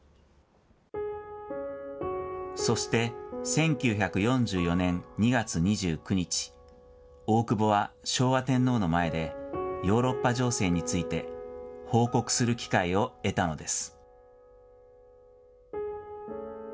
そして１９４４年２月２９日、大久保は昭和天皇の前で、ヨーロッパ情勢について報告する機会を得たのです。